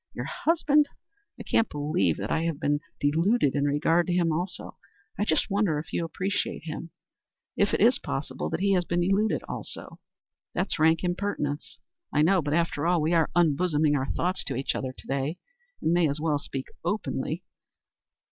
Your husband? I can't believe that I have been deluded in regard to him, also. I just wonder if you appreciate him if it is possible that he has been deluded, also. That's rank impertinence, I know; but after all, we are unbosoming our thoughts to each other to day, and may as well speak openly.